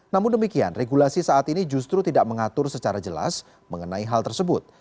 namun demikian regulasi saat ini justru tidak mengatur secara jelas mengenai hal tersebut